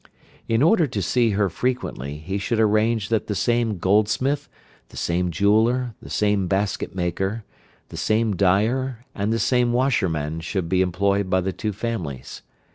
In order to see her frequently he should arrange that the same goldsmith, the same jeweller, the same basket maker, the same dyer, and the same washerman should be employed by the two families.